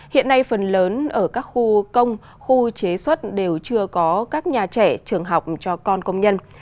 hiện nay phần lớn ở các khu công khu chế xuất đều chưa có các nhà trẻ trường học cho con công nhân